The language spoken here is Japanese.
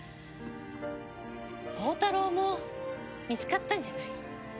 宝太郎も見つかったんじゃない？